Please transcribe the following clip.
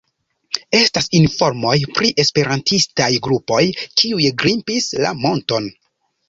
Estas informoj pri esperantistaj grupoj, kiuj grimpis la monton.